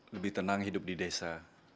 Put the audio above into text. lebih tenang hidup di desa